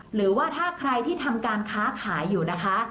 หรือว่าถ้าใครที่ทำการค้าขายอยู่นะคะ